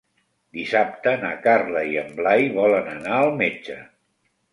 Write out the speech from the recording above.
Dissabte na Carla i en Blai volen anar al metge.